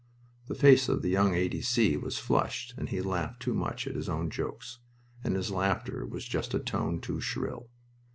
The face of the young A. D. C. was flushed and he laughed too much at his own jokes, and his laughter was just a tone too shrill.